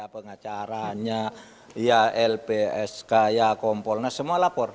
pengacaranya ya lpsk ya kompol nah semua lapor